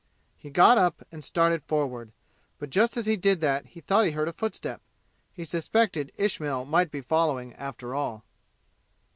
He got up and started forward, but just as he did that he thought he heard a footstep. He suspected Ismail might be following after all.